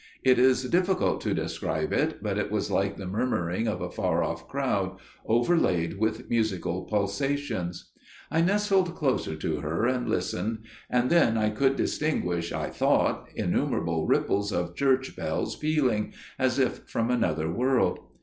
It is difficult to describe it, but it was like the murmuring of a far off crowd, overlaid with musical pulsations. I nestled closer to her and listened; and then I could distinguish, I thought, innumerable ripples of church bells pealing, as if from another world.